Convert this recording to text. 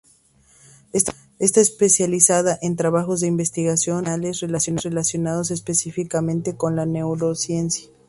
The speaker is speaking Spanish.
Está especializada en trabajos de investigación originales relacionados específicamente con la neurociencia.